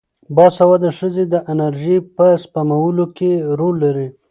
باسواده ښځې د انرژۍ په سپمولو کې رول لري.